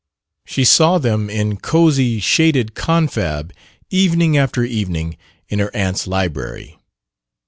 She saw them in cosy shaded confab evening after evening, in her aunt's library.